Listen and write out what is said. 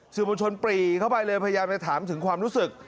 สื่อมวลชนปรีเข้าไปเลยพยายามจะถามถึงความรู้สึก